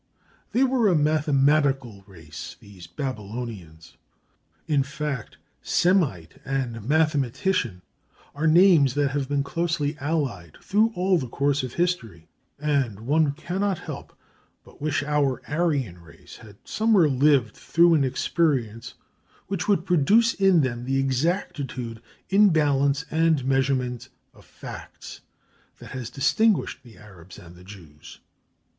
They were a mathematical race, these Babylonians. In fact, Semite and mathematician are names that have been closely allied through all the course of history, and one cannot help but wish our Aryan race had somewhere lived through an experience which would produce in them the exactitude in balance and measurement of facts that has distinguished the Arabs and the Jews.